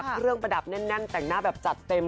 เครื่องประดับแน่นแต่งหน้าแบบจัดเต็ม